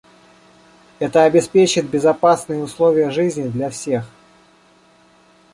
Это обеспечит безопасные условия жизни для всех.